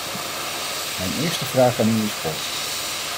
Mijn eerste vraag aan u is kort.